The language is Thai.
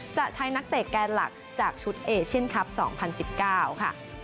จะใช้นักเตะแกนหลักจากชุดเอเชียนคลับ๒๐๑๙ค่ะ